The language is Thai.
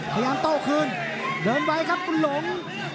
พยันโต้คืนเดินไว้ครับบุญหลง